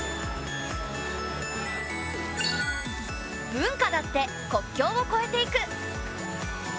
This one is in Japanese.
文化だって国境をこえていく。